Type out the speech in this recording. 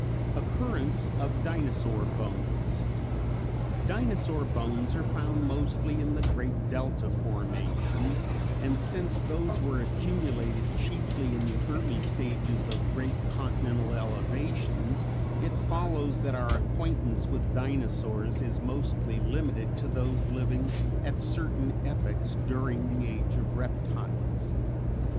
Occurrence of Dinosaur Bones. Dinosaur bones are found mostly in the great delta formations, and since those were accumulated chiefly in the early stages of great continental elevations, it follows that our acquaintance with Dinosaurs is mostly limited to those living at certain epochs during the Age of Reptiles.